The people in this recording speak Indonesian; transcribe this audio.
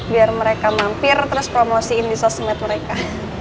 biar mereka mampir terus promosiin di sosmed mereka